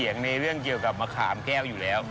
ในเรื่องเกี่ยวกับมะขามแก้วอยู่แล้ว